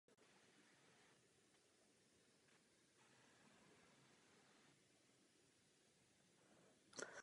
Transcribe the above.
Ve dvacátém století byl zámek upraven na byty.